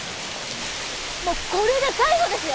もうこれで最後ですよ！